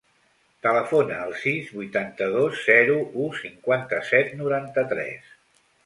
Telefona al sis, vuitanta-dos, zero, u, cinquanta-set, noranta-tres.